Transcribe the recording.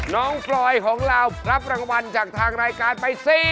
น้องพลอยของเรารับรางวัลจากทางรายการไป๔